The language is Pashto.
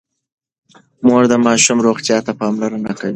مور د ماشوم روغتيا ته پاملرنه کوي.